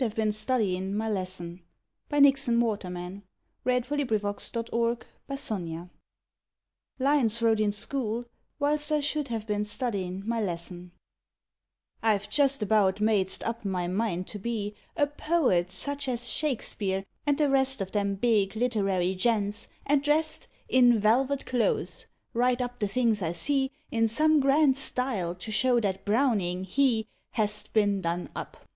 59 SONNETS OF A BUDDING BARD SONNETS OF A BUDDING BARD LINES WROTE IN SCHOOL WHILST I SHOULDST HAVE BEEN STUDYIN MY LESSON I VE just about madest up my mind to be A poet such as Shakespeare and the rest Of them big literary gents, and dressed In velvet clothes, write up the things I see In some grand style to show that Browning he Hast been done up!